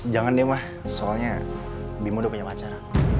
jangan deh ma soalnya bimo udah punya pacar